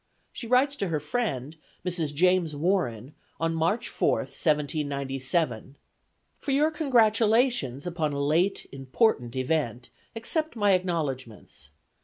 She writes to her friend, Mrs. James Warren, on March 4th, 1797: "For your congratulations upon a late important event accept my acknowledgments.